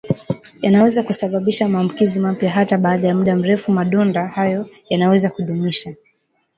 yanaweza kusababisha maambukizi mapya hata baada ya muda mrefu Madonda hayo yanaweza kudumisha